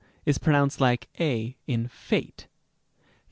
ἢ is pronounced like a in fate.